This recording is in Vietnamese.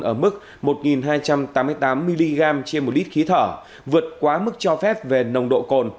ở mức một hai trăm tám mươi tám mg trên một lít khí thở vượt quá mức cho phép về nồng độ cồn